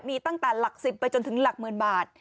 มีตั้งแต่หลัก๑๐ไปจนถึงหลักหมื่นบาท